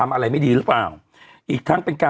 เราก็มีความหวังอะ